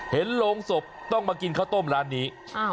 เห็นโรงศพต้องมากินข้าวต้มร้านนี้